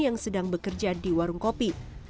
yang sedang bekerja di warung kopi